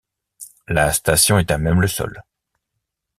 La station est à même le sol.